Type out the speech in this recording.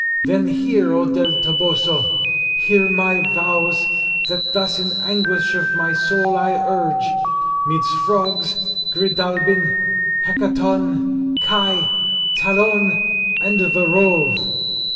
Then hear, O del Toboso! hear my vows, that thus in anguish of my soul I urge, midst frogs, Gridalbin, Hecaton, Kai, Talon, and the Rove!